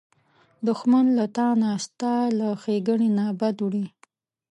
دښمن له تا نه، ستا له ښېګڼې نه بد وړي